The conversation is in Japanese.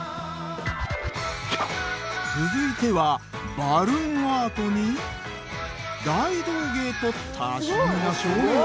続いてはバルーンアートに大道芸と多趣味な少年。